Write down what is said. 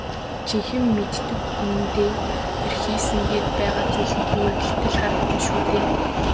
Жинхэнэ мэддэг хүндээ тэр хийсэн гээд байгаа зүйл нь хөөрхийлөлтэй л харагдана шүү дээ.